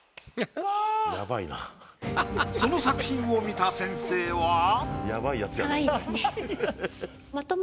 その作品を見た先生は。